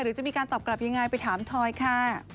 หรือจะมีการตอบกลับยังไงไปถามทอยค่ะ